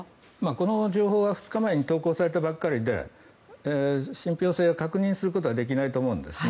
この情報は２日前に投稿されたばかりで信ぴょう性を確認することはできないと思うんですね。